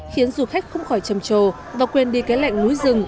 khiến du khách không khỏi châm trồ và quên đi cái lệnh núi rừng